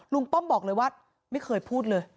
ป้อมบอกเลยว่าไม่เคยพูดเลย